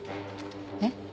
えっ？